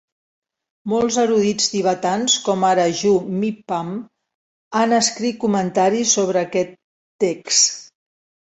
Molts erudits tibetans, com ara Ju Mipham, han escrit comentaris sobre aquest text.